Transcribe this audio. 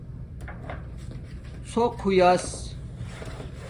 ژُق ہو یاس